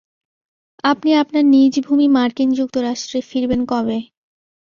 আপনি আপনার নিজ ভূমি মার্কিন যুক্তরাষ্ট্রে ফিরবেন কবে?